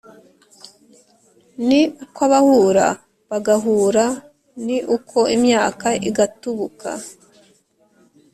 Ni uko abahura bagahura ni uko imyaka igatubuka.